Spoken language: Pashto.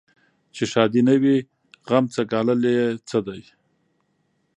چي ښادي نه وي غم څه ګالل یې څه دي